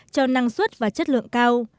cho năng suất và chất lượng cao